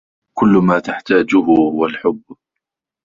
كل ما تحتاجه هو الحب.